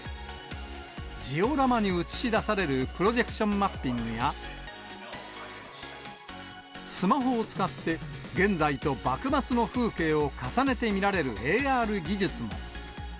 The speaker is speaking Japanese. ジオラマに映し出されるプロジェクションマッピングや、スマホを使って、現在と幕末の風景を重ねて見られるＡＲ技術も。